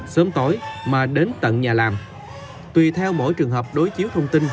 sớm tối mà đến tận nhà làm tùy theo mỗi trường hợp đối chiếu thông tin